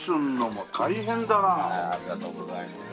ありがとうございます。